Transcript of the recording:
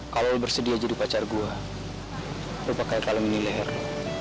kalau lo bersedia jadi pacar gue lo pakai kalung ini leher lo